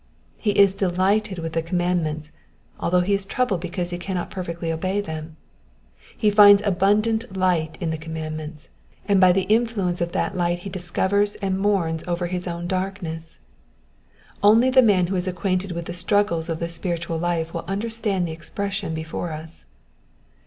He is delighted with the command ments, although he is troubled because he cannot perfectly obey them. He finds abundant light in the commandments, and by the influence of that light he discovers and mourns over his own darkness. Only the man who is acquainted with the struggles of the spiritual life will understand the expression before us.